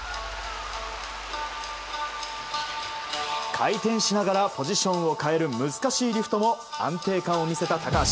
回転しながらポジションを変える難しいリフトも安定感を見せた高橋。